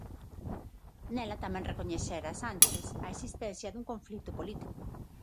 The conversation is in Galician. Nela tamén recoñecera Sánchez a existencia dun conflito político.